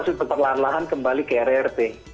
untuk perlahan lahan kembali ke rrt